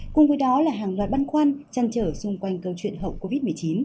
cùng với đó là hàng loạt băn khoăn chăn trở xung quanh câu chuyện hậu covid một mươi chín